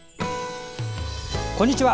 こんにちは。